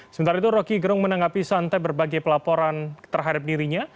sementara itu rocky gerung menanggapi santai berbagai pelaporan terhadap dirinya